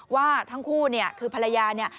ว่าทั้งคู่เนี่ยคือภรรยาเนี่ย